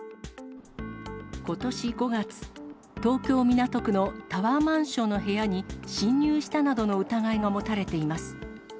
ことし５月、東京・港区のタワーマンションの部屋に侵入したなどの疑いが持たれています。